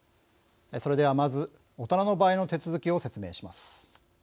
それではまず大人の場合の手続きを説明します。